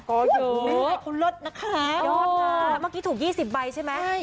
ก็อยู่คุณลดนะคะยอดค่ะเมื่อกี้ถูก๒๐ใบใช่ไหม